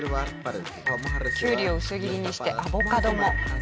キュウリを薄切りにしてアボカドも。